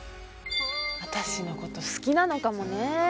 私のこと好きなのかもね